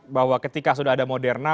bahwa ketika sudah ada moderna